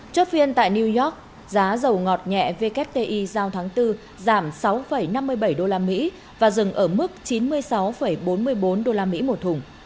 chốt phiên tại new york giá dầu ngọt nhẹ wti giao tháng bốn giảm sáu năm mươi bảy usd và dừng ở mức chín mươi sáu bốn mươi bốn usd một thùng